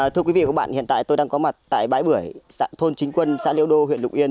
thưa quý vị và các bạn hiện tại tôi đang có mặt tại bãi bưởi thôn chính quân xã liễu đô huyện lục yên